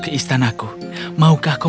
ke istanaku maukah kau